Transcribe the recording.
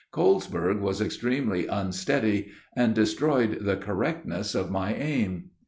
Colesberg was extremely unsteady, and destroyed the correctness of my aim.